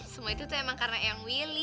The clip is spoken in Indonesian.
semua itu tuh emang karena yang willy